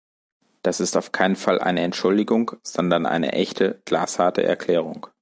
Das ist auf keinen Fall eine Entschuldigung, sondern eine echte, glasharte Erklärung.